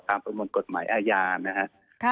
ประมวลกฎหมายอาญานะครับ